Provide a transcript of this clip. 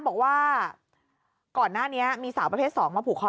บอกว่าก่อนหน้านี้มีสาวประเภท๒มาผูกคอ